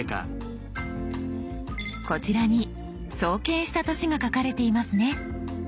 こちらに創建した年が書かれていますね。